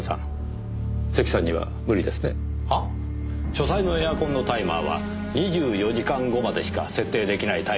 書斎のエアコンのタイマーは２４時間後までしか設定出来ないタイプのものでした。